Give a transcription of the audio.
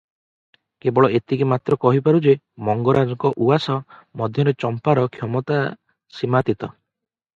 କେବଳ ଏତିକି ମାତ୍ର କହିପାରୁ ଯେ, ମଙ୍ଗରାଜଙ୍କ ଉଆସ ମଧ୍ୟରେ ଚମ୍ପାର କ୍ଷମତା ସୀମାତୀତ ।